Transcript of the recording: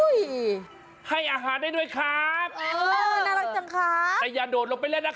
ให้อาหารได้ด้วยครับเออน่ารักจังค่ะแต่อย่าโดดลงไปเล่นนะคะ